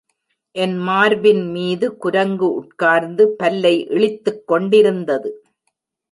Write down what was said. என் மார்பின் மீது குரங்கு உட்கார்ந்து பல்லை இளித்துக் கொண்டிருந்தது.